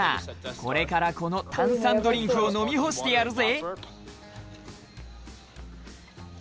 これからこの炭酸ドリンクを飲み干してやるぜ。